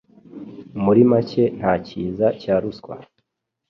Muri make nta kiza cya ruswa.